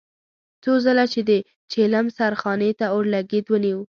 څو ځله يې د چيلم سرخانې ته اورلګيت ونيو.